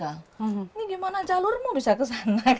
ini gimana jalurmu bisa ke sana